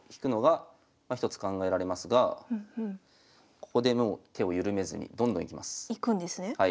ここでもう手を緩めずにどんどんいきます。